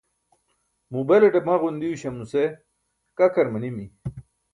muu belaṭe maġun diyuśam nuse kakar manimi